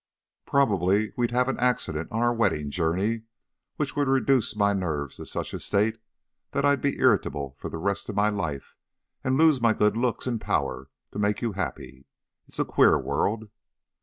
Probably we'd have an accident on our wedding journey, which would reduce my nerves to such a state that I'd be irritable for the rest of my life and lose my good looks and power to make you happy. It's a queer world."